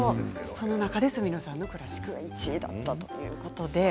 その中で角野さんのクラシックが１位だったということです。